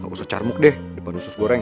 gak usah carmuk deh depan khusus goreng